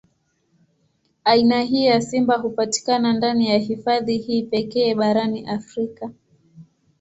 Aina hii ya simba hupatikana ndani ya hifadhi hii pekee barani Afrika.